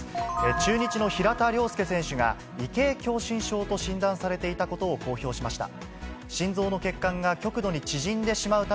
中日の平田良介選手が、異型狭心症と診断されていたことを公表しました。